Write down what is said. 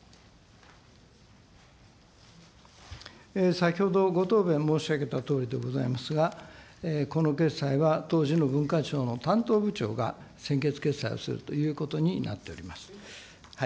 先ほどご答弁申し上げたとおりでございますが、この決裁は当時の文化庁の担当部長が専決決裁をするということになっております。